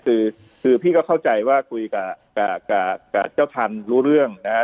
คือคือพี่ก็เข้าใจว่าคุยกับเจ้าทันรู้เรื่องนะฮะ